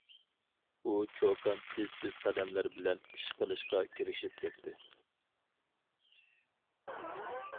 ئۇ چوكان تېز-تېز قەدەملەر بىلەن ئىش قىلىشقا كىرىشىپ كەتتى.